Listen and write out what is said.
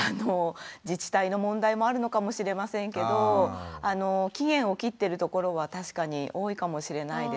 自治体の問題もあるのかもしれませんけど期限を切ってる所は確かに多いかもしれないですね。